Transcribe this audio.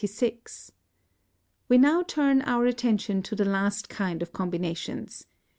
We now turn our attention to the last kind of combinations.